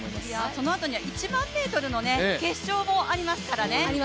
そのあとには１００００ｍの決勝もありますからね。